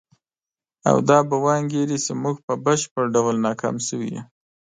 او دا به وانګیري چې موږ په بشپړ ډول ناکام شوي یو.